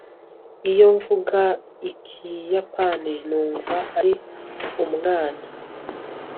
iyo mvuga ikiyapani, numva ari umwana